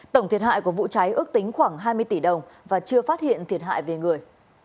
tổng thiệt hại của vụ cháy ước tính khoảng hai mươi tỷ đồng và chưa phát hiện thiệt hại về người